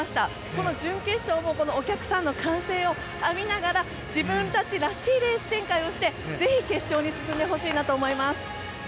この準決勝もお客さんの歓声を浴びながら自分たちらしいレース展開をしてぜひ、決勝に進んでほしいなと思います。